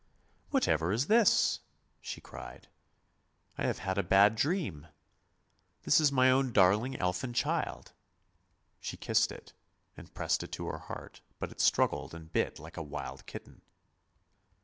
" Whatever is this? " she cried; " I have had a bad dream. This is my own darling elfin child." She kissed it, and pressed it to her heart, but it struggled and bit like a wild kitten.